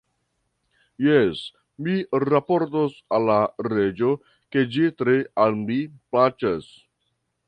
Jes, mi raportos al la reĝo, ke ĝi tre al mi plaĉas!